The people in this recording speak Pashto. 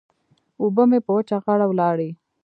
اوبه مې په وچه غاړه ولاړې.